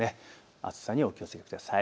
暑さにお気をつけください。